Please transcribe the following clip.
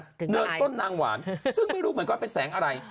เนินต้นนางหวานซึ่งไม่รู้เหมือนกันเป็นแสงอะไร